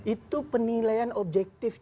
itu penilaian objektif